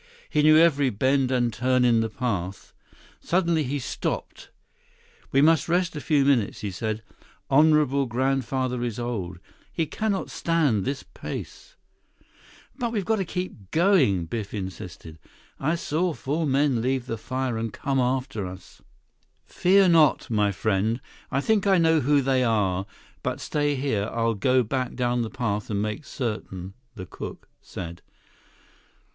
He knew every bend and turn in the path. Suddenly he stopped. "We must rest a few minutes," he said. "Honorable grandfather is old. He cannot stand this pace." "But we've got to keep going," Biff insisted. "I saw four men leave the fire and come after us." "Fear not, my friend. I think I know who they are. But stay here, I'll go back down the path and make certain," the "cook" said.